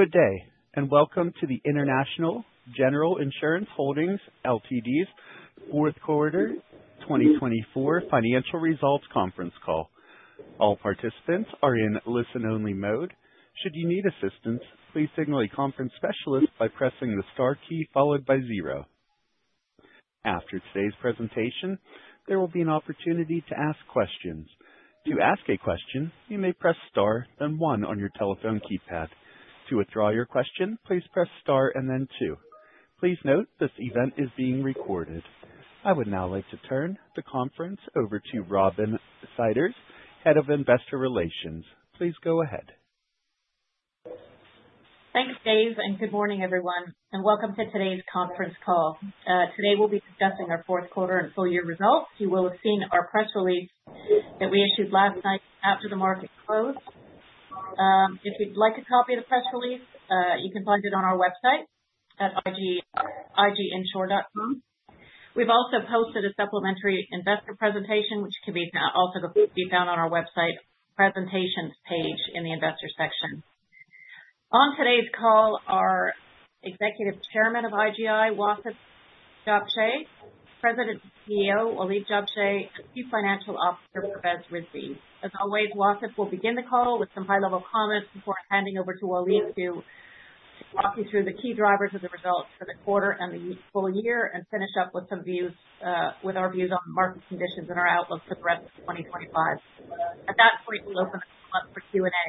Good day, and welcome to the International General Insurance Holdings Ltd.'s Fourth Quarter 2024 Financial Results Conference Call. All participants are in listen-only mode. Should you need assistance, please signal a conference specialist by pressing the star key followed by zero. After today's presentation, there will be an opportunity to ask questions. To ask a question, you may press star then one on your telephone keypad. To withdraw your question, please press star and then two. Please note this event is being recorded. I would now like to turn the conference over to Robin Sidders, Head of Investor Relations. Please go ahead. Thanks, Dave, and good morning, everyone, and welcome to today's conference call. Today we'll be discussing our fourth quarter and full year results. You will have seen our press release that we issued last night after the market closed. If you'd like a copy of the press release, you can find it on our website at iginsure.com. We've also posted a supplementary investor presentation, which can also be found on our website presentations page in the investor section. On today's call are Executive Chairman of IGI, Wasef Jabsheh, President and CEO, Walid Jabsheh, and Chief Financial Officer, Pervez Rizvi. As always, Wasef will begin the call with some high-level comments before handing over to Walid to walk you through the key drivers of the results for the quarter and the full year and finish up with our views on market conditions and our outlook for the rest of 2025. At that point, we'll open the call up for Q&A.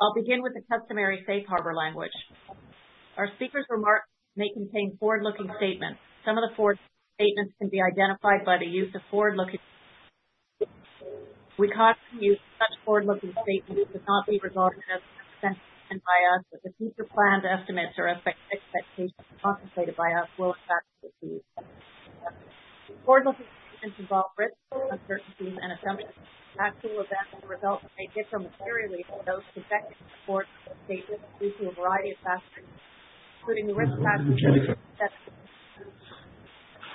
I'll begin with the customary safe harbor language. Our speakers' remarks may contain forward-looking statements. Some of the forward-looking statements can be identified by the use of forward-looking. We caution you that such forward-looking statements should not be regarded as representations by us that the future plans, estimates or expectations contemplated by us will in fact be realized. Forward-looking statements involve risks, uncertainties, and assumptions. Actual events and results may differ materially from those projected in the reports and statements due to a variety of factors, including the risk factors in the 2023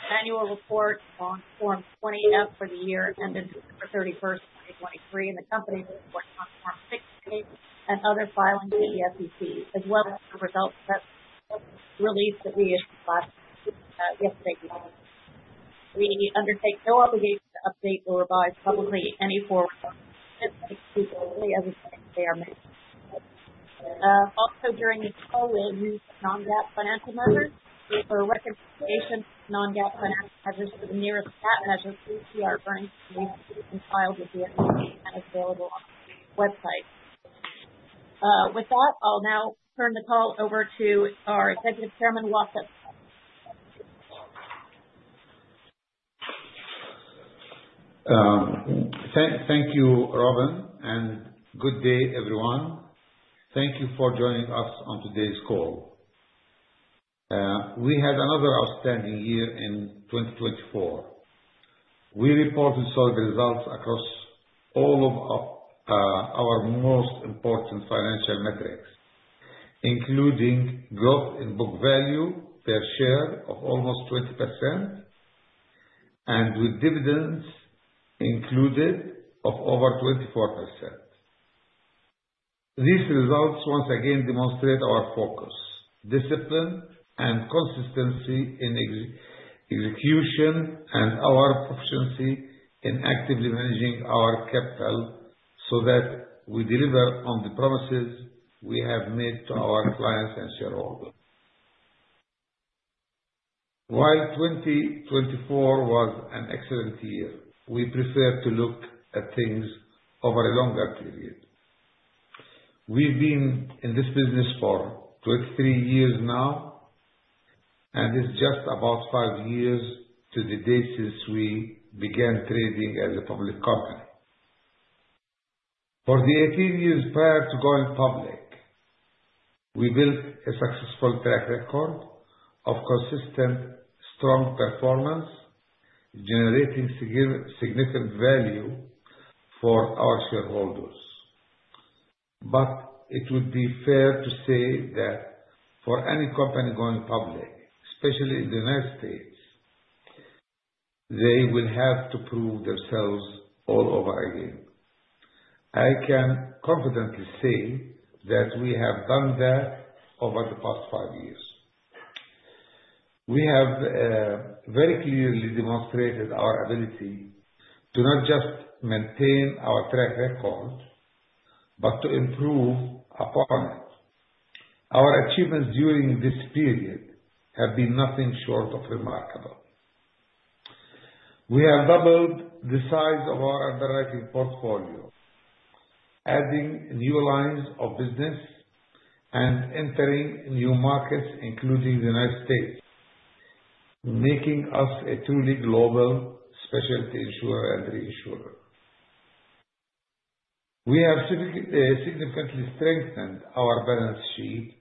financial report on Form 20-F for the year ending December 31st, 2023, and the company's reports on Form 6-K and other filings with the SEC, as well as the press release that we issued yesterday evening. We undertake no obligation to update or revise publicly any forward-looking statements, except as required by law. Also, during this call, we'll use non-GAAP financial measures. Reconciliations of non-GAAP financial measures to the nearest GAAP measure are included in the press release and the Form 6-K filed with the SEC, which is available on the website. With that, I'll now turn the call over to our Executive Chairman, Wasef. Thank you, Robin, and good day, everyone. Thank you for joining us on today's call. We had another outstanding year in 2024. We reported solid results across all of our most important financial metrics, including growth in book value per share of almost 20% and with dividends included of over 24%. These results once again demonstrate our focus, discipline, and consistency in execution, and our proficiency in actively managing our capital so that we deliver on the promises we have made to our clients and shareholders. While 2024 was an excellent year, we prefer to look at things over a longer period. We've been in this business for 23 years now, and it's just about five years to the date since we began trading as a public company. For the 18 years prior to going public, we built a successful track record of consistent, strong performance, generating significant value for our shareholders. But it would be fair to say that for any company going public, especially in the United States, they will have to prove themselves all over again. I can confidently say that we have done that over the past five years. We have very clearly demonstrated our ability to not just maintain our track record, but to improve upon it. Our achievements during this period have been nothing short of remarkable. We have doubled the size of our underwriting portfolio, adding new lines of business and entering new markets, including the United States, making us a truly global specialty insurer and reinsurer. We have significantly strengthened our balance sheet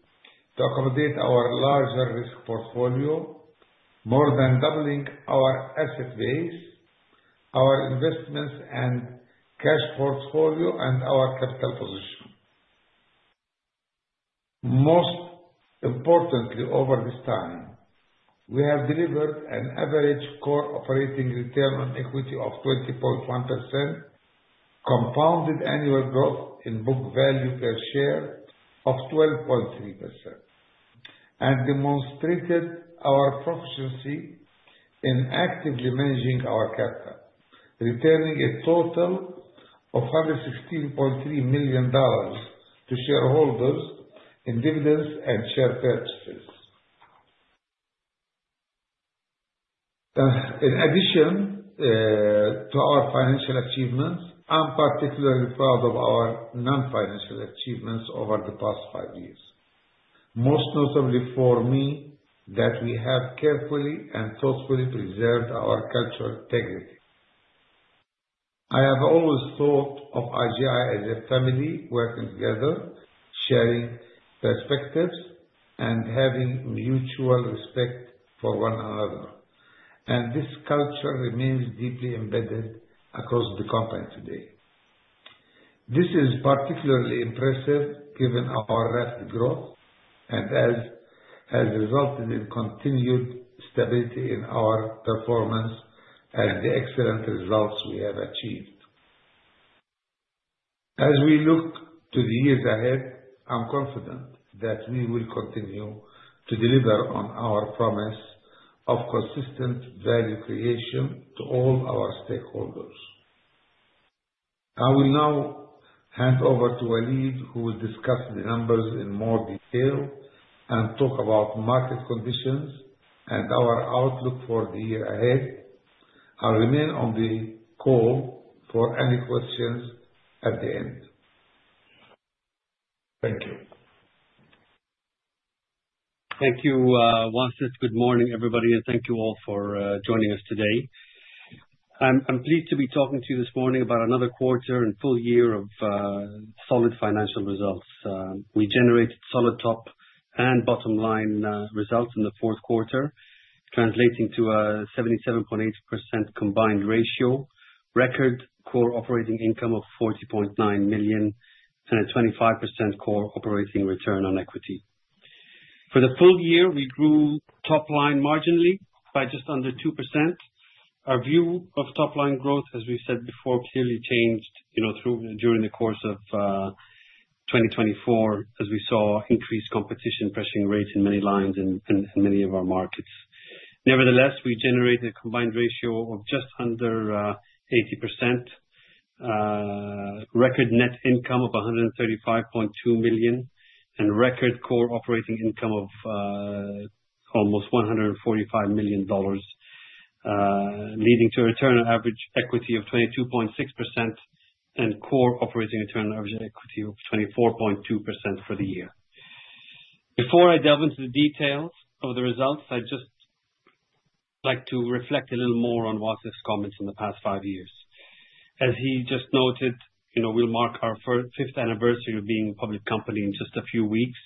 to accommodate our larger risk portfolio, more than doubling our asset base, our investments, and cash portfolio, and our capital position. Most importantly, over this time, we have delivered an average core operating return on equity of 20.1%, compounded annual growth in book value per share of 12.3%, and demonstrated our proficiency in actively managing our capital, returning a total of $116.3 million to shareholders in dividends and share purchases. In addition to our financial achievements, I'm particularly proud of our non-financial achievements over the past five years, most notably for me that we have carefully and thoughtfully preserved our cultural integrity. I have always thought of IGI as a family working together, sharing perspectives, and having mutual respect for one another. And this culture remains deeply embedded across the company today. This is particularly impressive given our rapid growth and has resulted in continued stability in our performance and the excellent results we have achieved. As we look to the years ahead, I'm confident that we will continue to deliver on our promise of consistent value creation to all our stakeholders. I will now hand over to Walid, who will discuss the numbers in more detail and talk about market conditions and our outlook for the year ahead. I'll remain on the call for any questions at the end. Thank you. Thank you, Wasef. Good morning, everybody, and thank you all for joining us today. I'm pleased to be talking to you this morning about another quarter and full year of solid financial results. We generated solid top and bottom line results in the fourth quarter, translating to a 77.8% combined ratio, record core operating income of $40.9 million, and a 25% core operating return on equity. For the full year, we grew top line marginally by just under 2%. Our view of top line growth, as we've said before, clearly changed during the course of 2024, as we saw increased competition pressuring rates in many lines and many of our markets. Nevertheless, we generated a combined ratio of just under 80%, record net income of $135.2 million, and record core operating income of almost $145 million, leading to a return on average equity of 22.6% and core operating return on average equity of 24.2% for the year. Before I delve into the details of the results, I'd just like to reflect a little more on Wasef's comments in the past five years. As he just noted, we'll mark our fifth anniversary of being a public company in just a few weeks.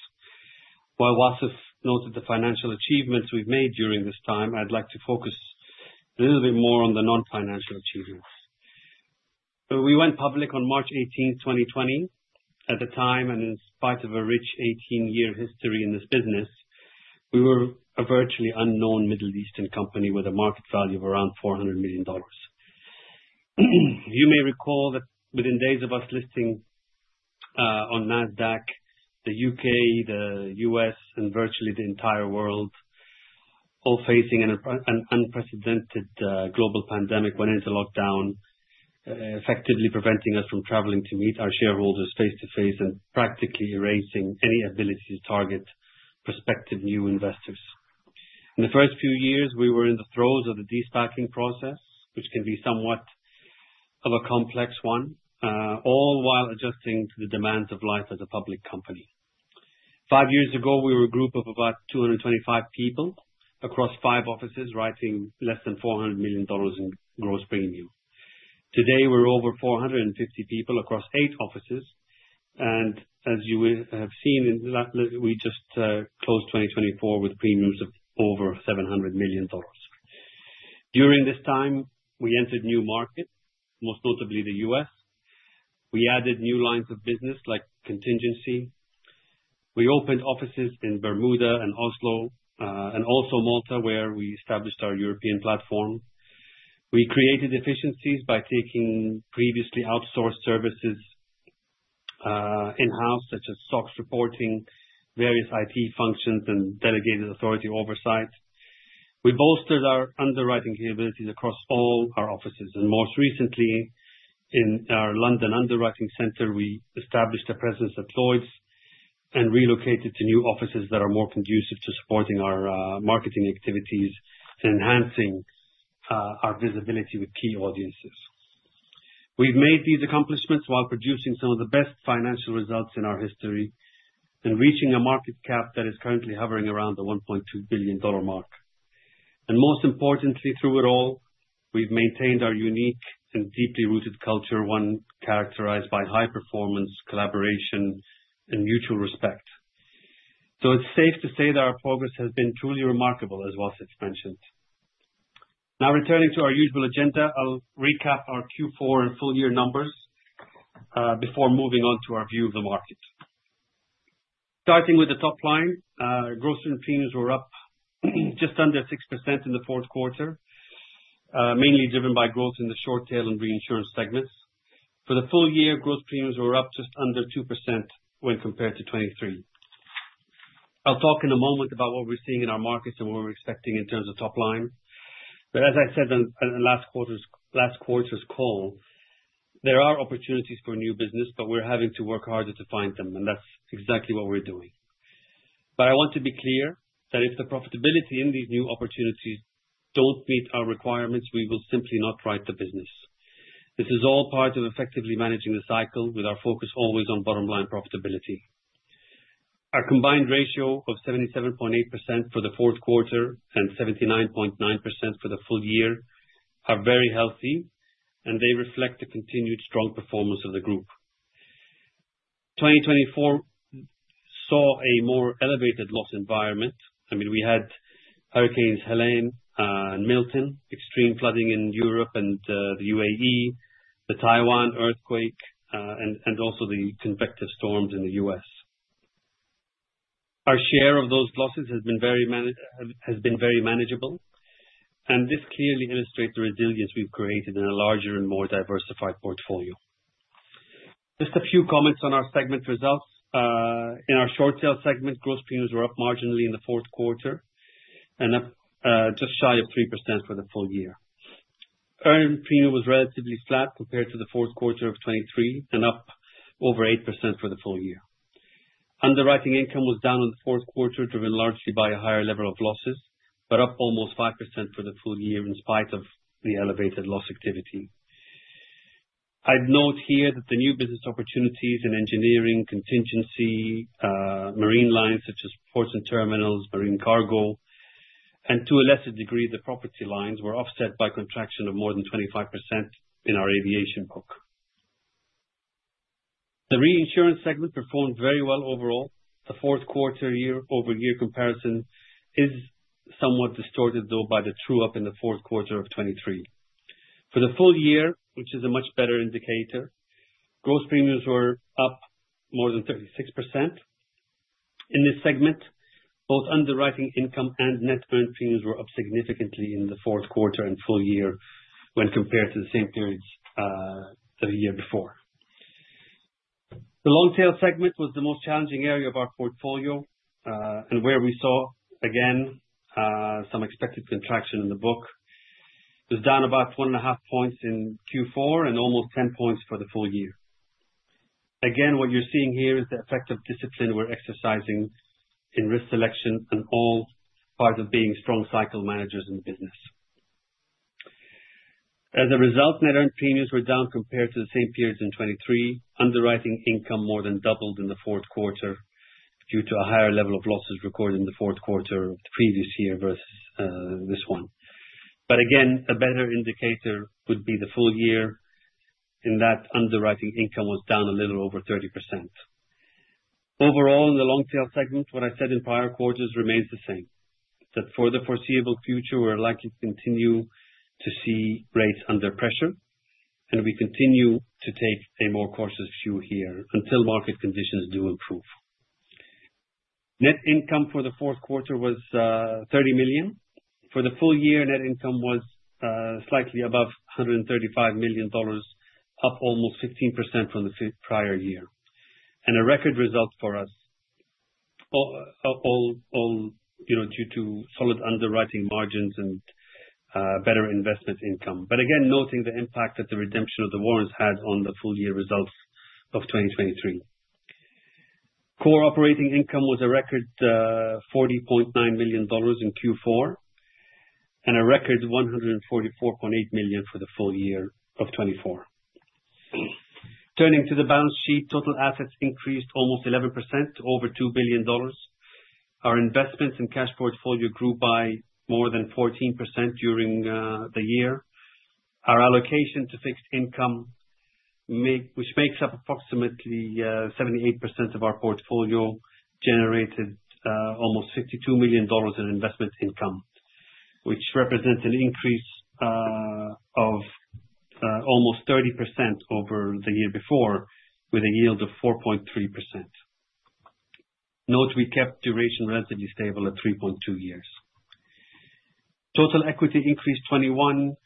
While Wasef noted the financial achievements we've made during this time, I'd like to focus a little bit more on the non-financial achievements. We went public on March 18th, 2020. At the time, and in spite of a rich 18-year history in this business, we were a virtually unknown Middle Eastern company with a market value of around $400 million. You may recall that within days of us listing on NASDAQ, the U.K., the U.S., and virtually the entire world, all facing an unprecedented global pandemic, went into lockdown, effectively preventing us from traveling to meet our shareholders face-to-face and practically erasing any ability to target prospective new investors. In the first few years, we were in the throes of the de-SPACing process, which can be somewhat of a complex one, all while adjusting to the demands of life as a public company. Five years ago, we were a group of about 225 people across five offices writing less than $400 million in gross premium. Today, we're over 450 people across eight offices, and as you have seen in the latest, we just closed 2024 with premiums of over $700 million. During this time, we entered new markets, most notably the U.S. We added new lines of business like contingency. We opened offices in Bermuda and Oslo, and also Malta, where we established our European platform. We created efficiencies by taking previously outsourced services in-house, such as SOX reporting, various IT functions, and delegated authority oversight. We bolstered our underwriting capabilities across all our offices. And most recently, in our London underwriting center, we established a presence at Lloyd's and relocated to new offices that are more conducive to supporting our marketing activities and enhancing our visibility with key audiences. We've made these accomplishments while producing some of the best financial results in our history and reaching a market cap that is currently hovering around the $1.2 billion mark. And most importantly, through it all, we've maintained our unique and deeply rooted culture, one characterized by high performance, collaboration, and mutual respect. So it's safe to say that our progress has been truly remarkable, as Wasef mentioned. Now, returning to our usual agenda, I'll recap our Q4 and full year numbers before moving on to our view of the market. Starting with the top line, gross premiums were up just under 6% in the fourth quarter, mainly driven by growth in the short-tail and reinsurance segments. For the full year, gross premiums were up just under 2% when compared to 2023. I'll talk in a moment about what we're seeing in our markets and what we're expecting in terms of top line. But as I said in last quarter's call, there are opportunities for new business, but we're having to work harder to find them, and that's exactly what we're doing. But I want to be clear that if the profitability in these new opportunities don't meet our requirements, we will simply not write the business. This is all part of effectively managing the cycle with our focus always on bottom line profitability. Our combined ratio of 77.8% for the fourth quarter and 79.9% for the full year are very healthy, and they reflect the continued strong performance of the group. 2024 saw a more elevated loss environment. I mean, we had Hurricanes Helene and Milton, extreme flooding in Europe and the UAE, the Taiwan earthquake, and also the convective storms in the U.S. Our share of those losses has been very manageable, and this clearly illustrates the resilience we've created in a larger and more diversified portfolio. Just a few comments on our segment results. In our short-tail segment, gross premiums were up marginally in the fourth quarter and up just shy of 3% for the full year. Earned premium was relatively flat compared to the fourth quarter of 2023 and up over 8% for the full year. Underwriting income was down in the fourth quarter, driven largely by a higher level of losses, but up almost 5% for the full year in spite of the elevated loss activity. I'd note here that the new business opportunities in engineering, contingency, marine lines such as ports and terminals, marine cargo, and to a lesser degree, the property lines were offset by contraction of more than 25% in our aviation book. The reinsurance segment performed very well overall. The fourth quarter year-over-year comparison is somewhat distorted, though, by the true-up in the fourth quarter of 2023. For the full year, which is a much better indicator, gross premiums were up more than 36%. In this segment, both underwriting income and net earned premiums were up significantly in the fourth quarter and full year when compared to the same periods the year before. The long-tail segment was the most challenging area of our portfolio and where we saw, again, some expected contraction in the book. It was down about 1.5 points in Q4 and almost 10 points for the full year. Again, what you're seeing here is the effect of discipline we're exercising in risk selection and all part of being strong cycle managers in the business. As a result, net earned premiums were down compared to the same periods in 2023. Underwriting income more than doubled in the fourth quarter due to a higher level of losses recorded in the fourth quarter of the previous year versus this one, but again, a better indicator would be the full year in that underwriting income was down a little over 30%. Overall, in the long-tail segment, what I said in prior quarters remains the same, that for the foreseeable future, we're likely to continue to see rates under pressure, and we continue to take a more cautious view here until market conditions do improve. Net income for the fourth quarter was $30 million. For the full year, net income was slightly above $135 million, up almost 15% from the prior year, and a record result for us all due to solid underwriting margins and better investment income. But again, noting the impact that the redemption of the warrants had on the full year results of 2023. Core operating income was a record $40.9 million in Q4 and a record $144.8 million for the full year of 2024. Turning to the balance sheet, total assets increased almost 11% to over $2 billion. Our investments and cash portfolio grew by more than 14% during the year. Our allocation to fixed income, which makes up approximately 78% of our portfolio, generated almost $52 million in investment income, which represents an increase of almost 30% over the year before with a yield of 4.3%. Note we kept duration relatively stable at 3.2 years. Total equity increased 21.1%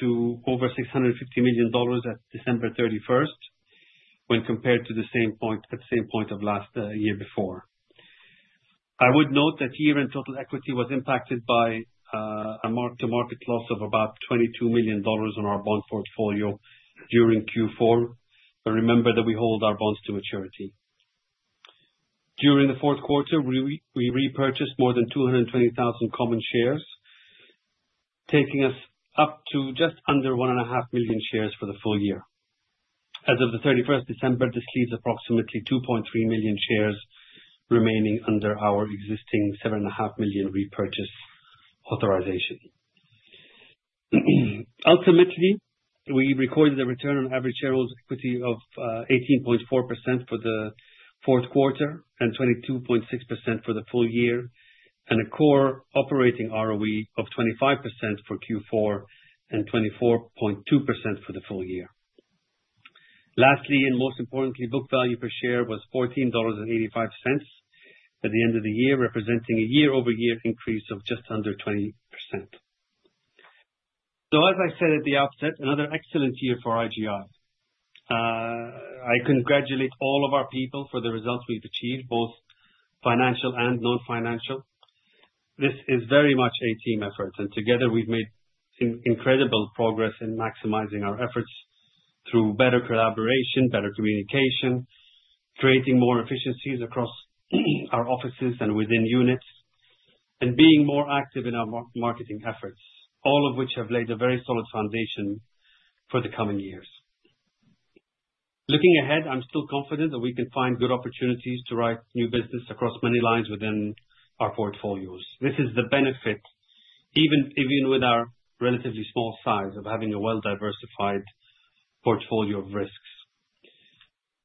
to over $650 million at December 31st when compared to the same point of last year before. I would note that year-end total equity was impacted by a mark-to-market loss of about $22 million on our bond portfolio during Q4. But remember that we hold our bonds to maturity. During the fourth quarter, we repurchased more than 220,000 common shares, taking us up to just under 1.5 million shares for the full year. As of the 31st of December, this leaves approximately 2.3 million shares remaining under our existing 7.5 million repurchase authorization. Ultimately, we recorded a return on average shareholder equity of 18.4% for the fourth quarter and 22.6% for the full year, and a core operating ROE of 25% for Q4 and 24.2% for the full year. Lastly, and most importantly, book value per share was $14.85 at the end of the year, representing a year-over-year increase of just under 20%. So, as I said at the outset, another excellent year for IGI. I congratulate all of our people for the results we've achieved, both financial and non-financial. This is very much a team effort, and together, we've made incredible progress in maximizing our efforts through better collaboration, better communication, creating more efficiencies across our offices and within units, and being more active in our marketing efforts, all of which have laid a very solid foundation for the coming years. Looking ahead, I'm still confident that we can find good opportunities to write new business across many lines within our portfolios. This is the benefit, even with our relatively small size of having a well-diversified portfolio of risks.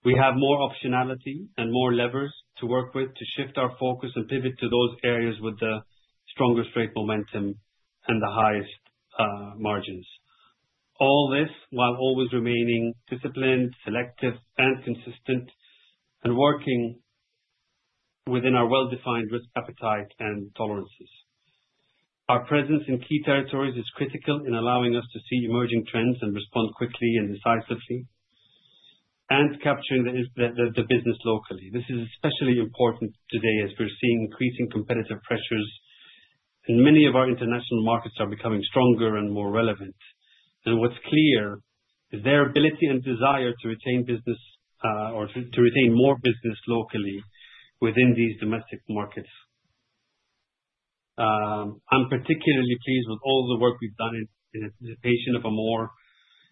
We have more optionality and more levers to work with to shift our focus and pivot to those areas with the stronger rate momentum and the highest margins. All this while always remaining disciplined, selective, and consistent, and working within our well-defined risk appetite and tolerances. Our presence in key territories is critical in allowing us to see emerging trends and respond quickly and decisively, and capturing the business locally. This is especially important today as we're seeing increasing competitive pressures, and many of our international markets are becoming stronger and more relevant. And what's clear is their ability and desire to retain business or to retain more business locally within these domestic markets. I'm particularly pleased with all the work we've done in anticipation of a more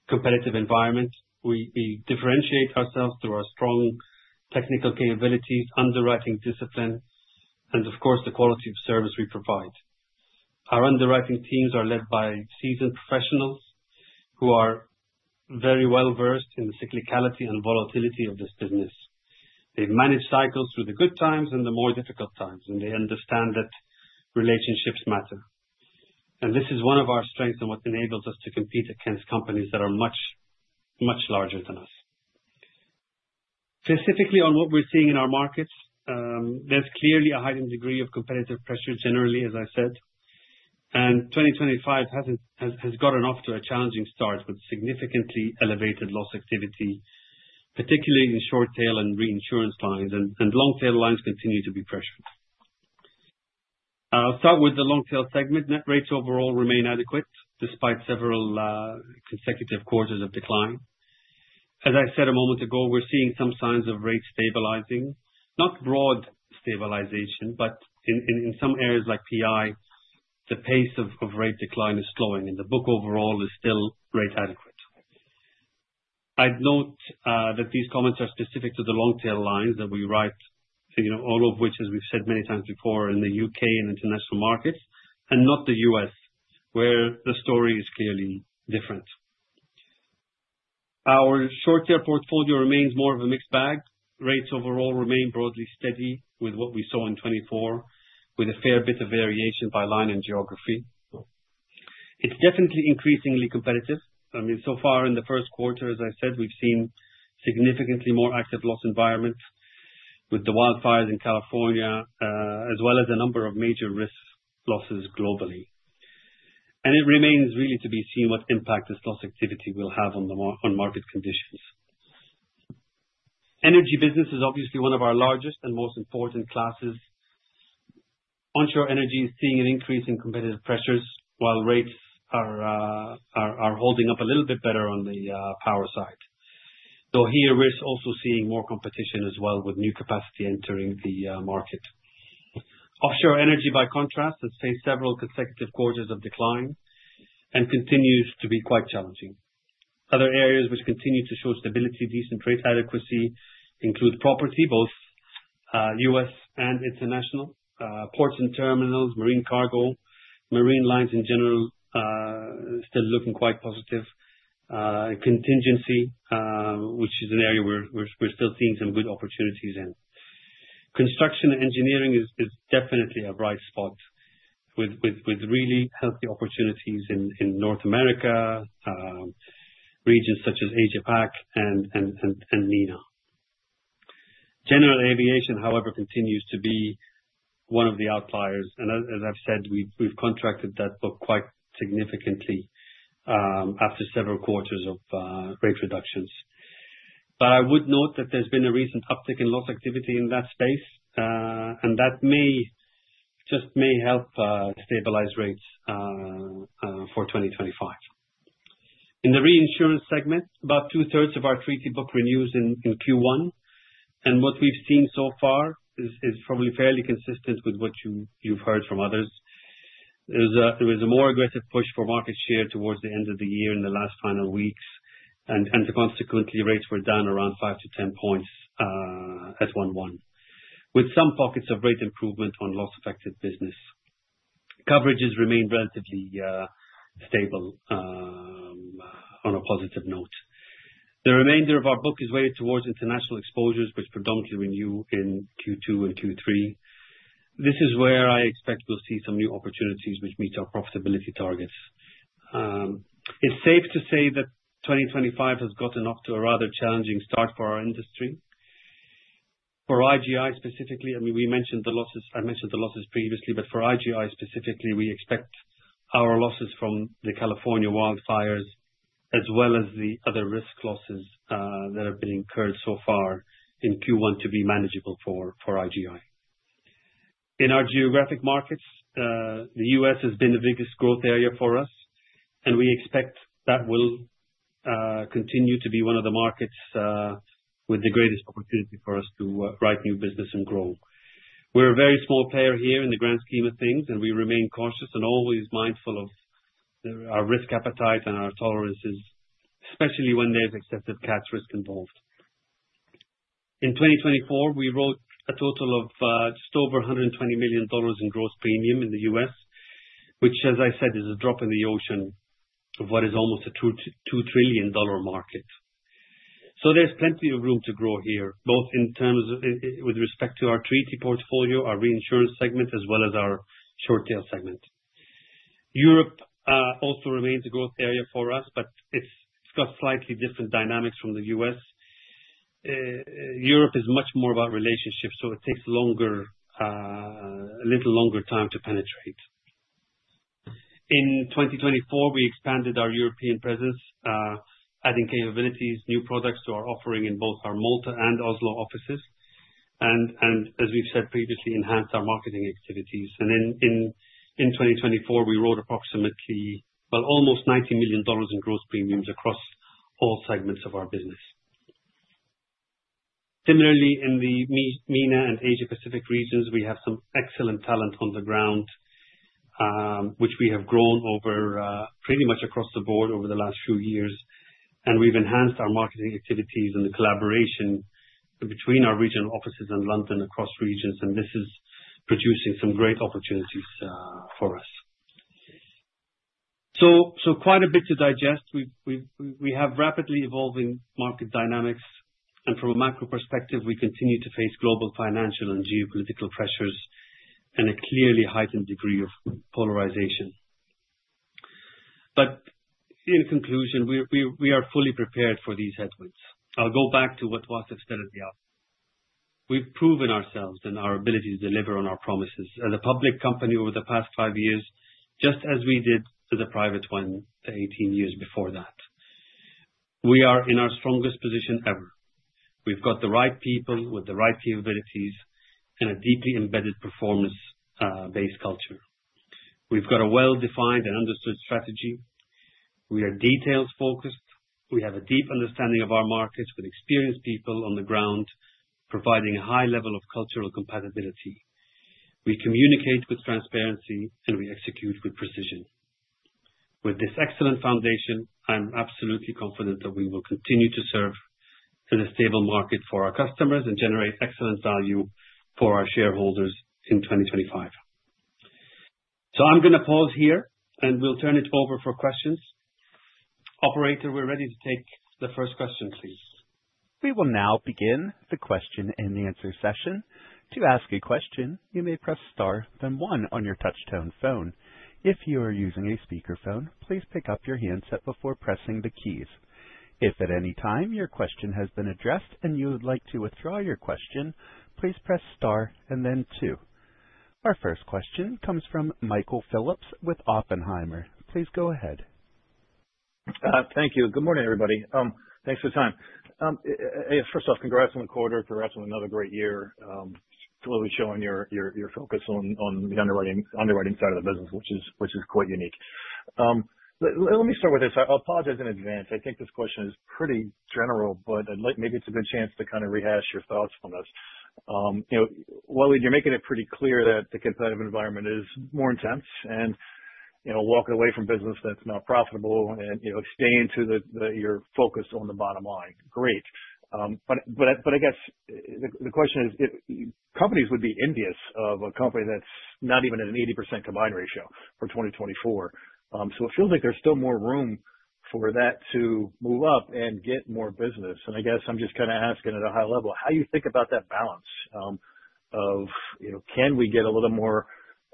competitive environment. We differentiate ourselves through our strong technical capabilities, underwriting discipline, and, of course, the quality of service we provide. Our underwriting teams are led by seasoned professionals who are very well-versed in the cyclicality and volatility of this business. They've managed cycles through the good times and the more difficult times, and they understand that relationships matter. And this is one of our strengths and what enables us to compete against companies that are much, much larger than us. Specifically on what we're seeing in our markets, there's clearly a heightened degree of competitive pressure generally, as I said, and 2025 has gotten off to a challenging start with significantly elevated loss activity, particularly in short-tail and reinsurance lines, and long-tail lines continue to be pressured. I'll start with the long-tail segment. Net rates overall remain adequate despite several consecutive quarters of decline. As I said a moment ago, we're seeing some signs of rate stabilizing, not broad stabilization, but in some areas like PI, the pace of rate decline is slowing, and the book overall is still rate adequate. I'd note that these comments are specific to the long-tail lines that we write, all of which, as we've said many times before, are in the U.K. and international markets and not the U.S., where the story is clearly different. Our short-tail portfolio remains more of a mixed bag. Rates overall remain broadly steady with what we saw in 2024, with a fair bit of variation by line and geography. It's definitely increasingly competitive. I mean, so far in the first quarter, as I said, we've seen significantly more active loss environments with the wildfires in California, as well as a number of major risk losses globally. And it remains really to be seen what impact this loss activity will have on market conditions. Energy business is obviously one of our largest and most important classes. Onshore energy is seeing an increase in competitive pressures while rates are holding up a little bit better on the power side. So here, we're also seeing more competition as well with new capacity entering the market. Offshore energy, by contrast, has faced several consecutive quarters of decline and continues to be quite challenging. Other areas which continue to show stability, decent rate adequacy, include property, both U.S. and international, ports and terminals, marine cargo, marine lines in general still looking quite positive. Contingency, which is an area where we're still seeing some good opportunities in. Construction and engineering is definitely a bright spot with really healthy opportunities in North America, regions such as APAC and MENA. General aviation, however, continues to be one of the outliers, and as I've said, we've contracted that book quite significantly after several quarters of rate reductions. I would note that there's been a recent uptick in loss activity in that space, and that just may help stabilize rates for 2025. In the reinsurance segment, about two-thirds of our treaty book renews in Q1, and what we've seen so far is probably fairly consistent with what you've heard from others. There was a more aggressive push for market share towards the end of the year in the last final weeks, and consequently, rates were down around 5-10 points at 1/1, with some pockets of rate improvement on loss-affected business. Coverages remain relatively stable on a positive note. The remainder of our book is weighted towards international exposures, which predominantly renew in Q2 and Q3. This is where I expect we'll see some new opportunities which meet our profitability targets. It's safe to say that 2025 has gotten off to a rather challenging start for our industry. For IGI specifically, I mean, I mentioned the losses previously, but for IGI specifically, we expect our losses from the California wildfires as well as the other risk losses that have been incurred so far in Q1 to be manageable for IGI. In our geographic markets, the U.S. has been the biggest growth area for us, and we expect that will continue to be one of the markets with the greatest opportunity for us to write new business and grow. We're a very small player here in the grand scheme of things, and we remain cautious and always mindful of our risk appetite and our tolerances, especially when there's excessive cat risk involved. In 2024, we wrote a total of just over $120 million in gross premium in the U.S., which, as I said, is a drop in the ocean of what is almost a $2 trillion market. So there's plenty of room to grow here, both in terms with respect to our treaty portfolio, our reinsurance segment, as well as our short-tail segment. Europe also remains a growth area for us, but it's got slightly different dynamics from the U.S. Europe is much more about relationships, so it takes a little longer time to penetrate. In 2024, we expanded our European presence, adding capabilities, new products to our offering in both our Malta and Oslo offices, and, as we've said previously, enhanced our marketing activities. And in 2024, we wrote approximately, well, almost $90 million in gross premiums across all segments of our business. Similarly, in the MENA and Asia-Pacific regions, we have some excellent talent on the ground, which we have grown pretty much across the board over the last few years. And we've enhanced our marketing activities and the collaboration between our regional offices and London across regions, and this is producing some great opportunities for us. So quite a bit to digest. We have rapidly evolving market dynamics, and from a macro perspective, we continue to face global financial and geopolitical pressures and a clearly heightened degree of polarization. But in conclusion, we are fully prepared for these headwinds. I'll go back to what Wasef said at the outset. We've proven ourselves and our ability to deliver on our promises as a public company over the past five years, just as we did as a private one 18 years before that. We are in our strongest position ever. We've got the right people with the right capabilities and a deeply embedded performance-based culture. We've got a well-defined and understood strategy. We are details-focused. We have a deep understanding of our markets with experienced people on the ground providing a high level of cultural compatibility. We communicate with transparency, and we execute with precision. With this excellent foundation, I'm absolutely confident that we will continue to serve as a stable market for our customers and generate excellent value for our shareholders in 2025, so I'm going to pause here, and we'll turn it over for questions. Operator, we're ready to take the first question, please. We will now begin the question and answer session. To ask a question, you may press Star, then 1 on your touch-tone phone. If you are using a speakerphone, please pick up your handset before pressing the keys. If at any time your question has been addressed and you would like to withdraw your question, please press Star and then two. Our first question comes from Michael Phillips with Oppenheimer. Please go ahead. Thank you. Good morning, everybody. Thanks for the time. First off, congrats on the quarter. Congrats on another great year. It's really showing your focus on the underwriting side of the business, which is quite unique. Let me start with this. I apologize in advance. I think this question is pretty general, but maybe it's a good chance to kind of rehash your thoughts on this. Well, you're making it pretty clear that the competitive environment is more intense and walking away from business that's not profitable and staying true to your focus on the bottom line. Great. But I guess the question is, companies would be envious of a company that's not even at an 80% combined ratio for 2024. So it feels like there's still more room for that to move up and get more business. And I guess I'm just kind of asking at a high level, how do you think about that balance of, can we get a little more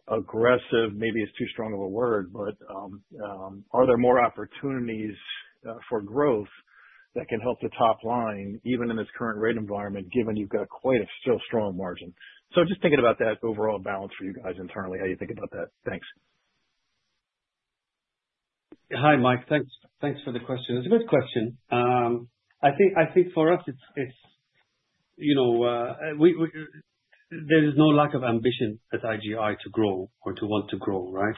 aggressive? Maybe it's too strong of a word, but are there more opportunities for growth that can help the top line even in this current rate environment, given you've got quite a still strong margin? So just thinking about that overall balance for you guys internally, how do you think about that? Thanks. Hi, Mike. Thanks for the question. It's a good question. I think for us, there is no lack of ambition at IGI to grow or to want to grow, right?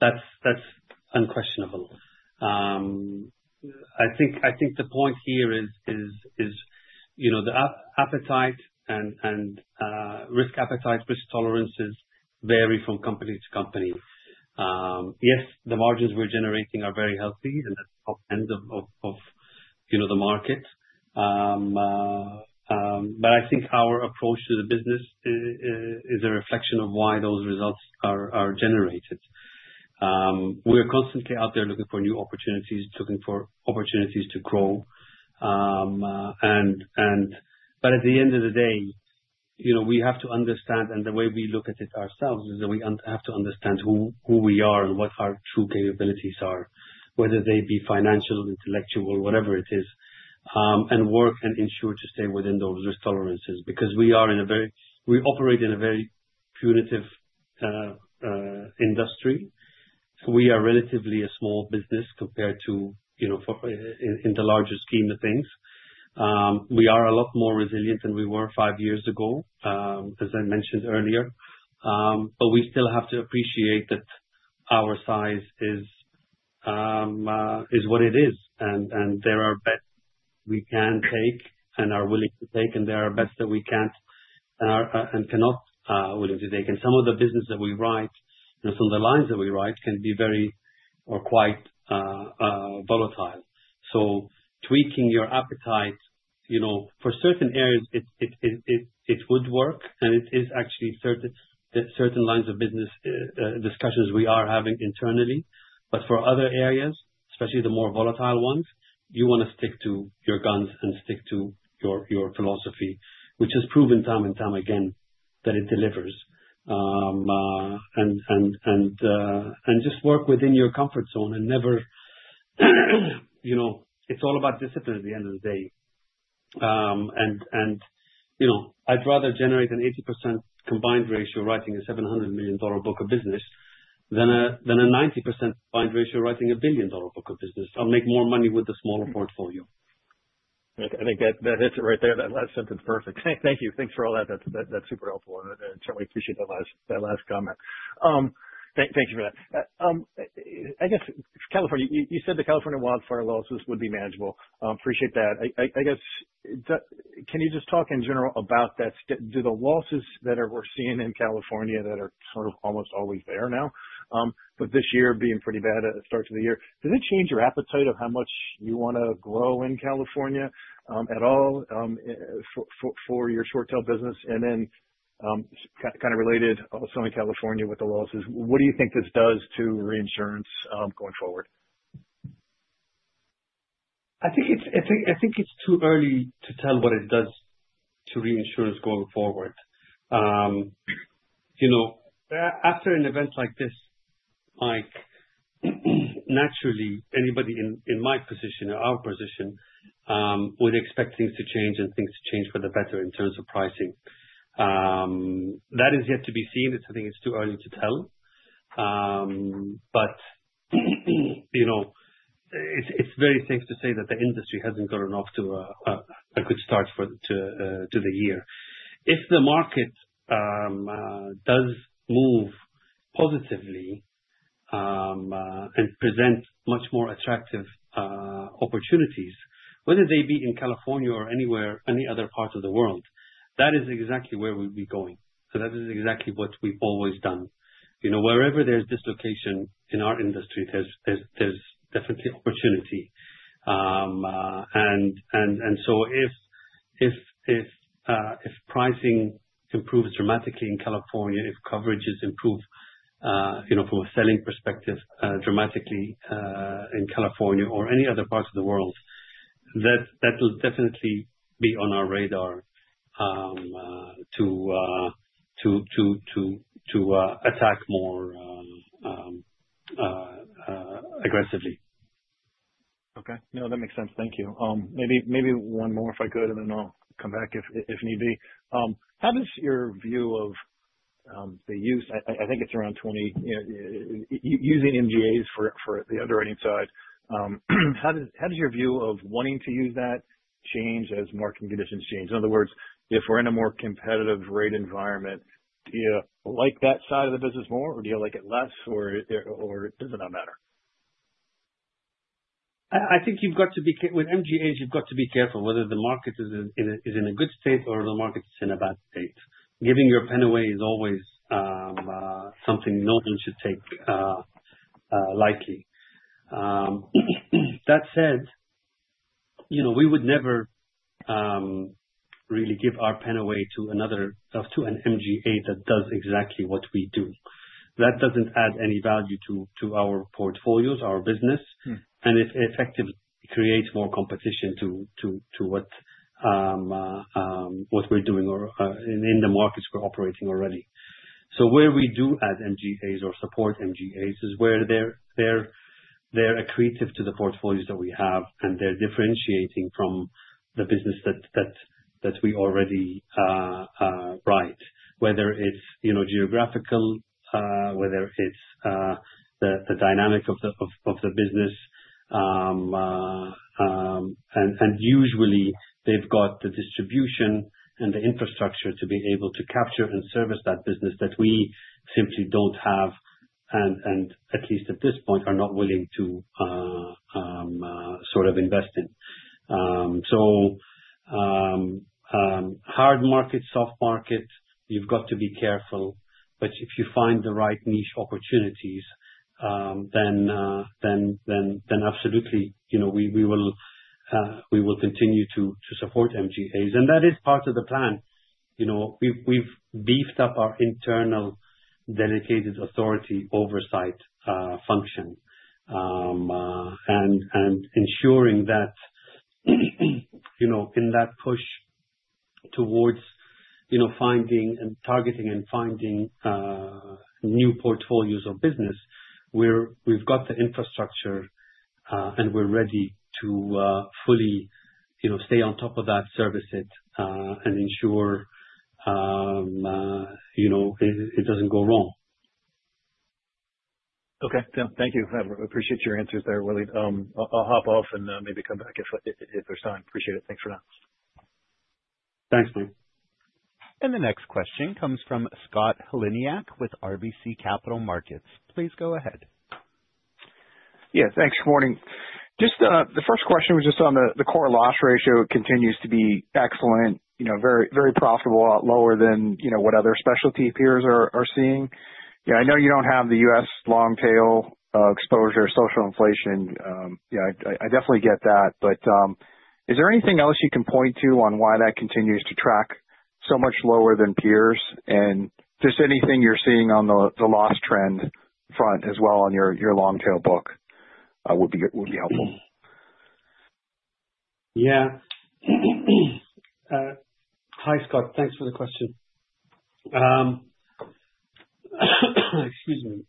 That's unquestionable. I think the point here is the appetite and risk appetite. Risk tolerances vary from company to company. Yes, the margins we're generating are very healthy and at the top end of the market. But I think our approach to the business is a reflection of why those results are generated. We're constantly out there looking for new opportunities, looking for opportunities to grow. But at the end of the day, we have to understand, and the way we look at it ourselves is that we have to understand who we are and what our true capabilities are, whether they be financial, intellectual, whatever it is, and work and ensure to stay within those risk tolerances because we operate in a very punitive industry. We are relatively a small business compared to in the larger scheme of things. We are a lot more resilient than we were five years ago, as I mentioned earlier, but we still have to appreciate that our size is what it is, and there are bets we can take and are willing to take, and there are bets that we can't and are not willing to take. Some of the business that we write and some of the lines that we write can be very or quite volatile. Tweaking your appetite for certain areas would work, and it is actually certain lines of business discussions we are having internally, but for other areas, especially the more volatile ones, you want to stick to your guns and stick to your philosophy, which has proven time and time again that it delivers. Just work within your comfort zone, and never, it's all about discipline at the end of the day. I'd rather generate an 80% combined ratio writing a $700 million book of business than a 90% combined ratio writing a billion-dollar book of business. I'll make more money with a smaller portfolio. I think that hits it right there. That sentence is perfect. Thank you. Thanks for all that. That's super helpful. I certainly appreciate that last comment. Thank you for that. I guess, California, you said the California wildfire losses would be manageable. Appreciate that. I guess, can you just talk in general about that? Do the losses that we're seeing in California that are sort of almost always there now, but this year being pretty bad at the start of the year, does it change your appetite of how much you want to grow in California at all for your short-tail business? And then, kind of related also in California with the losses, what do you think this does to reinsurance going forward? I think it's too early to tell what it does to reinsurance going forward. After an event like this, Mike, naturally, anybody in my position or our position would expect things to change and things to change for the better in terms of pricing. That is yet to be seen. I think it's too early to tell. But it's very safe to say that the industry hasn't gotten off to a good start to the year. If the market does move positively and present much more attractive opportunities, whether they be in California or anywhere, any other part of the world, that is exactly where we'll be going. So that is exactly what we've always done. Wherever there's dislocation in our industry, there's definitely opportunity. And so if pricing improves dramatically in California, if coverages improve from a selling perspective dramatically in California or any other parts of the world, that will definitely be on our radar to attack more aggressively. Okay. No, that makes sense. Thank you. Maybe one more if I could, and then I'll come back if need be. How does your view of the use? I think it's around 20 using MGAs for the underwriting side. How does your view of wanting to use that change as market conditions change? In other words, if we're in a more competitive rate environment, do you like that side of the business more, or do you like it less, or does it not matter? I think you've got to be with MGAs, you've got to be careful whether the market is in a good state or the market is in a bad state. Giving your pen away is always something no one should take lightly. That said, we would never really give our pen away to another to an MGA that does exactly what we do. That doesn't add any value to our portfolios, our business, and it effectively creates more competition to what we're doing or in the markets we're operating already. So where we do add MGAs or support MGAs is where they're accretive to the portfolios that we have, and they're differentiating from the business that we already write, whether it's geographical, whether it's the dynamic of the business, and usually, they've got the distribution and the infrastructure to be able to capture and service that business that we simply don't have and at least at this point are not willing to sort of invest in. So hard market, soft market, you've got to be careful. But if you find the right niche opportunities, then absolutely, we will continue to support MGAs. And that is part of the plan. We've beefed up our internal delegated authority oversight function and ensuring that in that push towards finding and targeting and finding new portfolios of business, we've got the infrastructure and we're ready to fully stay on top of that, service it, and ensure it doesn't go wrong. Okay. Thank you. I appreciate your answers there, Walid. I'll hop off and maybe come back if there's time. Appreciate it. Thanks for that. Thanks, Mike. And the next question comes from Scott Heleniak with RBC Capital Markets. Please go ahead. Yeah. Thanks. Good morning. Just the first question was just on the core loss ratio. It continues to be excellent, very profitable, lower than what other specialty peers are seeing. I know you don't have the U.S. long-tail exposure, social inflation. I definitely get that. But is there anything else you can point to on why that continues to track so much lower than peers? And just anything you're seeing on the loss trend front as well on your long-tail book would be helpful. Yeah. Hi, Scott. Thanks for the question. Excuse me.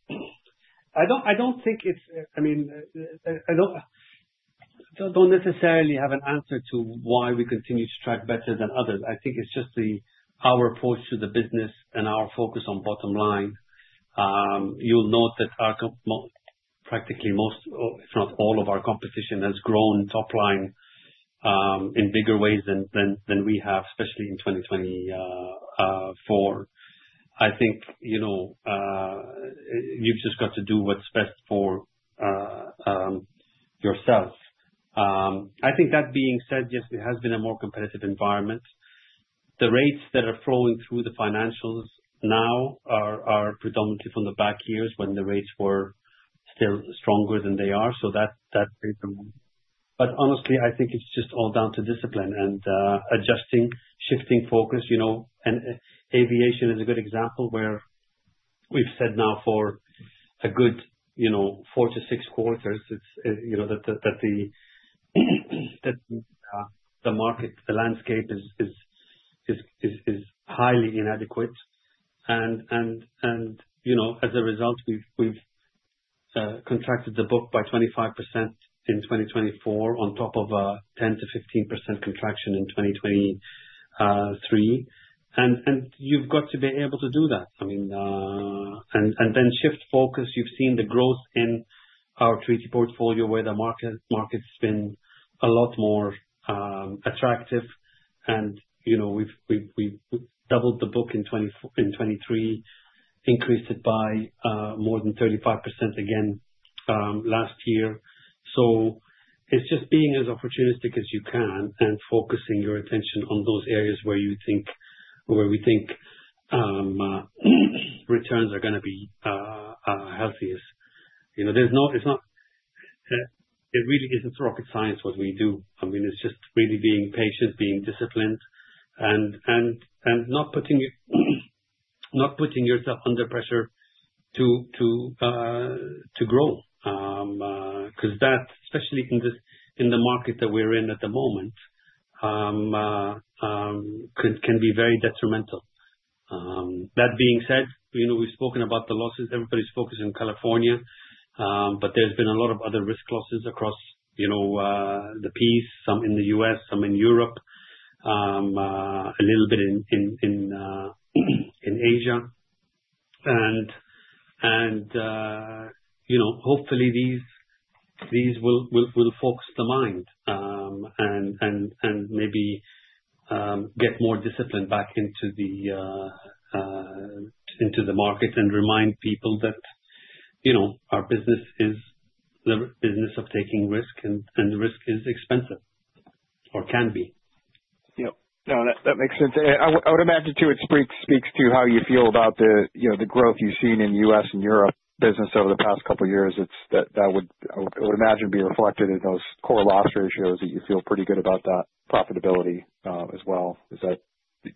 I mean, I don't necessarily have an answer to why we continue to track better than others. I think it's just our approach to the business and our focus on bottom line. You'll note that practically most, if not all, of our competition has grown top line in bigger ways than we have, especially in 2024. I think you've just got to do what's best for yourself. I think that being said, yes, there has been a more competitive environment. The rates that are flowing through the financials now are predominantly from the back years when the rates were still stronger than they are. So that's been the one. But honestly, I think it's just all down to discipline and adjusting, shifting focus. And aviation is a good example where we've said now for a good four to six quarters that the market, the landscape is highly inadequate. And as a result, we've contracted the book by 25% in 2024 on top of a 10%-15% contraction in 2023. And you've got to be able to do that. I mean, and then shift focus. You've seen the growth in our treaty portfolio where the market's been a lot more attractive. And we've doubled the book in 2023, increased it by more than 35% again last year. So it's just being as opportunistic as you can and focusing your attention on those areas where we think returns are going to be healthiest. It really isn't rocket science what we do. I mean, it's just really being patient, being disciplined, and not putting yourself under pressure to grow because that, especially in the market that we're in at the moment, can be very detrimental. That being said, we've spoken about the losses. Everybody's focused on California, but there's been a lot of other risk losses across the place, some in the U.S., some in Europe, a little bit in Asia. And hopefully, these will focus the mind and maybe get more discipline back into the market and remind people that our business is the business of taking risk, and risk is expensive or can be. Yep. No, that makes sense. I would imagine, too, it speaks to how you feel about the growth you've seen in U.S. and Europe business over the past couple of years. That would, I would imagine, be reflected in those core loss ratios that you feel pretty good about, that profitability as well. Is that a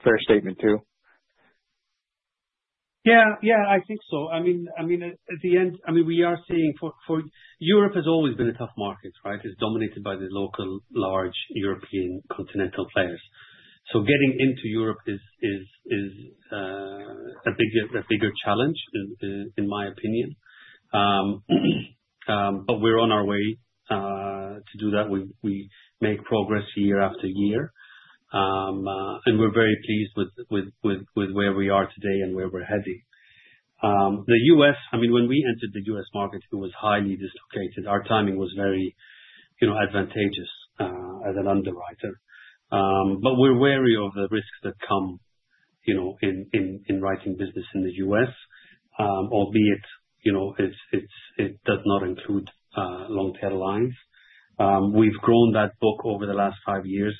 fair statement too? Yeah. Yeah, I think so. I mean, at the end, I mean, we are seeing for Europe has always been a tough market, right? It's dominated by the local large European continental players. So getting into Europe is a bigger challenge, in my opinion. But we're on our way to do that. We make progress year after year. And we're very pleased with where we are today and where we're heading. The U.S., I mean, when we entered the U.S. market, it was highly dislocated. Our timing was very advantageous as an underwriter. But we're wary of the risks that come in writing business in the U.S., albeit it does not include long-tail lines. We've grown that book over the last five years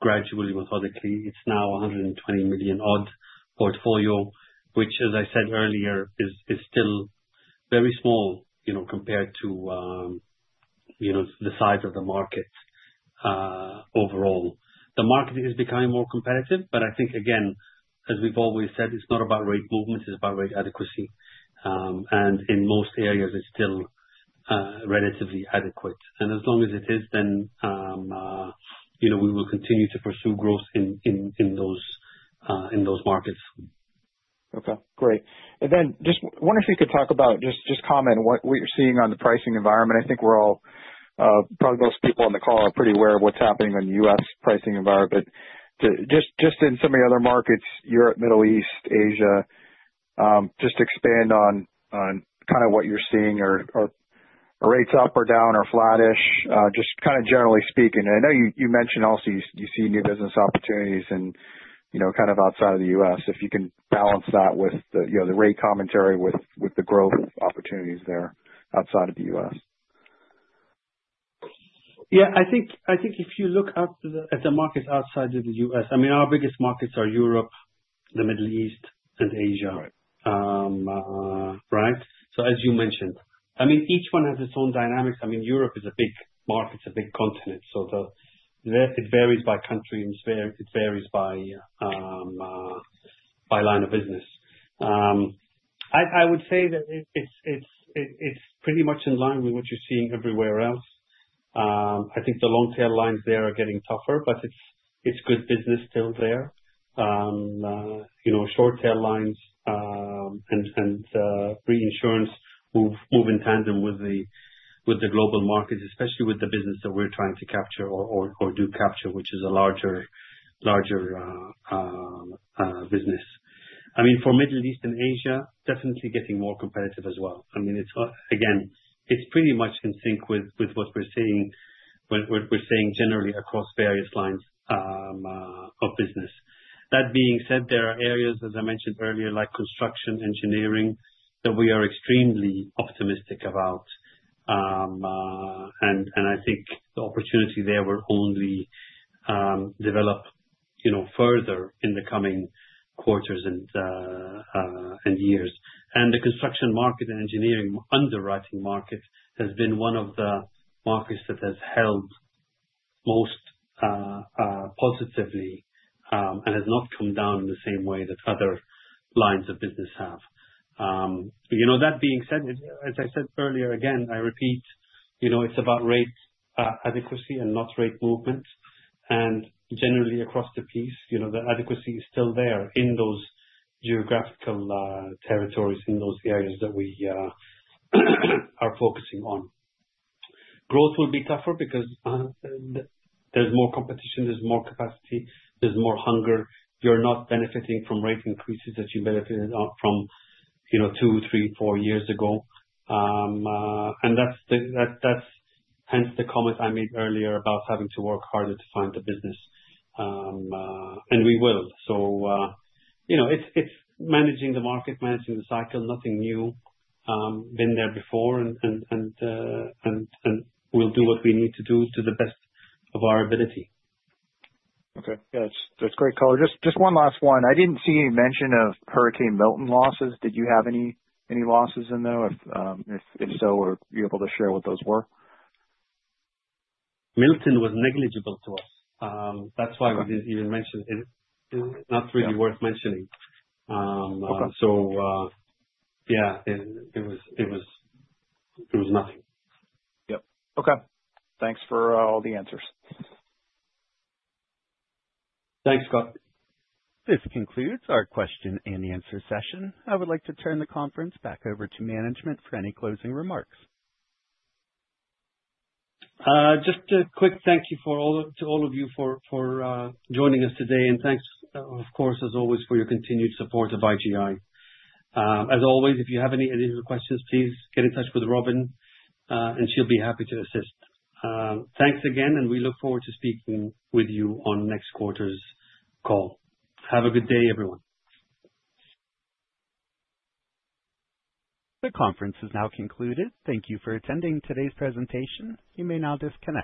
gradually, methodically. It's now $120 million-odd portfolio, which, as I said earlier, is still very small compared to the size of the market overall. The market is becoming more competitive, but I think, again, as we've always said, it's not about rate movement. It's about rate adequacy. And in most areas, it's still relatively adequate. And as long as it is, then we will continue to pursue growth in those markets. Okay. Great. And then just wonder if you could talk about just comment what you're seeing on the pricing environment. I think we're all probably most people on the call are pretty aware of what's happening on the U.S. pricing environment. Just in some of the other markets, Europe, Middle East, Asia, just expand on kind of what you're seeing. Are rates up or down or flattish? Just kind of generally speaking, and I know you mentioned also you see new business opportunities kind of outside of the U.S. If you can balance that with the rate commentary with the growth opportunities there outside of the U.S. Yeah. I think if you look at the markets outside of the U.S., I mean, our biggest markets are Europe, the Middle East, and Asia, right? So as you mentioned, I mean, each one has its own dynamics. I mean, Europe is a big market, a big continent. So it varies by country, and it varies by line of business. I would say that it's pretty much in line with what you're seeing everywhere else. I think the long-tail lines there are getting tougher, but it's good business still there. Short-tail lines and reinsurance move in tandem with the global markets, especially with the business that we're trying to capture or do capture, which is a larger business. I mean, for Middle East and Asia, definitely getting more competitive as well. I mean, again, it's pretty much in sync with what we're seeing generally across various lines of business. That being said, there are areas, as I mentioned earlier, like construction, engineering, that we are extremely optimistic about, and I think the opportunity there will only develop further in the coming quarters and years, and the construction market and engineering underwriting market has been one of the markets that has held most positively and has not come down in the same way that other lines of business have. That being said, as I said earlier, again, I repeat, it's about rate adequacy and not rate movement. And generally, across the P&C, the adequacy is still there in those geographical territories, in those areas that we are focusing on. Growth will be tougher because there's more competition, there's more capacity, there's more hunger. You're not benefiting from rate increases that you benefited from two, three, four years ago. And that's hence the comment I made earlier about having to work harder to find the business. And we will. So it's managing the market, managing the cycle. Nothing new. Been there before, and we'll do what we need to do to the best of our ability. Okay. Yeah. That's great, Colin. Just one last one. I didn't see any mention of Hurricane Milton losses. Did you have any losses in that? If so, were you able to share what those were? Milton was negligible to us. That's why we didn't even mention it. It's not really worth mentioning. So yeah, it was nothing. Yep. Okay. Thanks for all the answers. Thanks, Scott. This concludes our question and answer session. I would like to turn the conference back over to management for any closing remarks. Just a quick thank you to all of you for joining us today. And thanks, of course, as always, for your continued support of IGI. As always, if you have any additional questions, please get in touch with Robin, and she'll be happy to assist. Thanks again, and we look forward to speaking with you on next quarter's call. Have a good day, everyone. The conference has now concluded. Thank you for attending today's presentation. You may now disconnect.